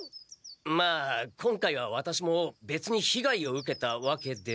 まあ今回はワタシもべつにひがいを受けたわけでは。